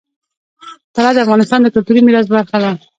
طلا د افغانستان د کلتوري میراث برخه ده.